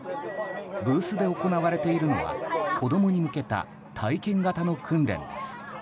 ブースで行われているのは子供に向けた体験型の訓練です。